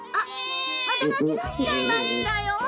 またなきだしちゃいましたよ。